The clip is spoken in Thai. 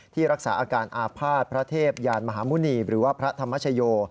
รักษาอาการอาภาษณ์พระเทพยานมหาหมุณีหรือว่าพระธรรมชโย